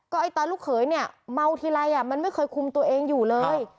ไอ้ตอนลูกเขยเนี่ยเมาทีไรมันไม่เคยคุมตัวเองอยู่เลย